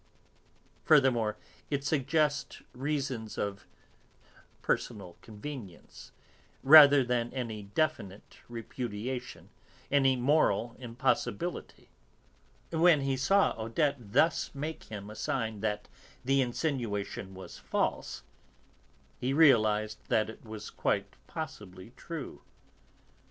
Furthermore, it suggests reasons of personal convenience, rather than any definite repudiation, any moral impossibility. When he saw Odette thus make him a sign that the insinuation was false, he realised that it was quite possibly true.